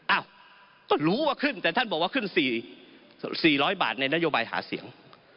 อ้าวก็รู้ว่าขึ้นแต่ท่านบอกว่าขึ้น๔๐๐บาทในนโยบายหาเสียง